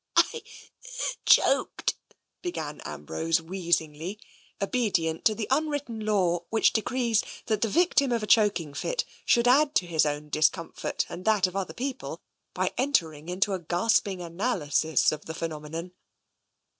" I choked " began Ambrose wheezingly, obedi ent to the unwritten law which decrees that the victim of a choking fit should add to his own discomfort and that of other people by entering into a gasping analysis of the phenomenon.